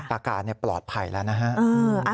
อาการปลอดภัยแล้วนะฮะ